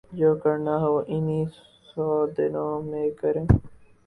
جو کرنا ہو انہی سو دنوں میں کریں۔